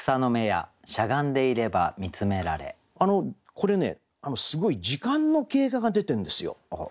これねすごい時間の経過が出てるんですよ。